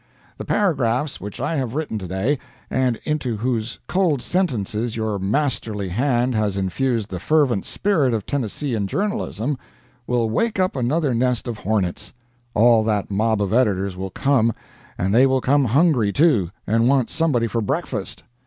The paragraphs which I have written to day, and into whose cold sentences your masterly hand has infused the fervent spirit of Tennesseean journalism, will wake up another nest of hornets. All that mob of editors will come and they will come hungry, too, and want somebody for breakfast.